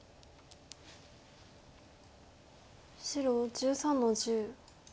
白１３の十。